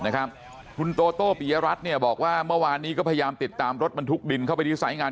คุณโตโตปริยรัชย์บอกว่าเมื่อวานที่ก็พยายามติดตามรถบรรทุกดินเข้าไปที่สายงาน